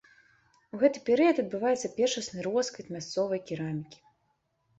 У гэты перыяд адбываецца першасны росквіт мясцовай керамікі.